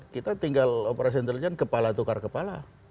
kita tinggal operasi intelijen kepala tukar kepala